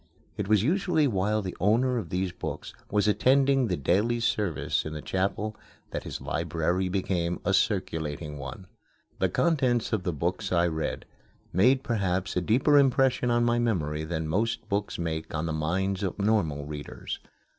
It was usually while the owner of these books was attending the daily service in the chapel that his library became a circulating one. The contents of the books I read made perhaps a deeper impression on my memory than most books make on the minds of normal readers.